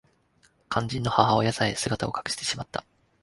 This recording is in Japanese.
肝心の母親さえ姿を隠してしまった